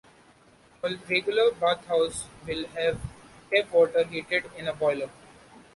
A regular bathhouse will have tap water heated in a boiler.